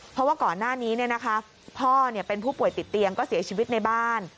เพราะว่าก่อนหน้านี้พ่อเป็นผู้ป่วยติดเตียงก็เสียชีวิตในบ้าน